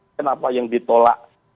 kenapa yang ditolak